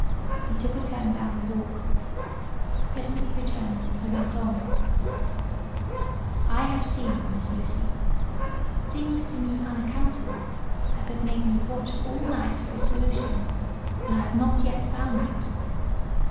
He took a turn down the walk; presently returning, he went on:—"I have seen, Miss Lucy, things to me unaccountable, that have made me watch all night for a solution, and I have not yet found it."